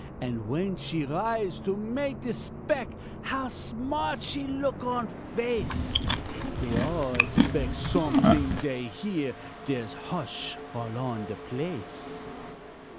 An' when she rise to mak' de spe'k How smart she look on face, Dey all expec' somet'ing dey hear, Dere's hush fall on de place.